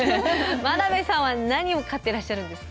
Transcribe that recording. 眞鍋さんは何を飼ってらっしゃるんですか？